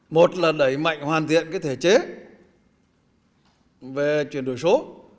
một là đẩy mạnh hoàn thiện thể chế về chuyển đổi số